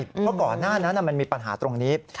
เพราะก่อนหน้านั้นมันมีปัญหาตรงนี้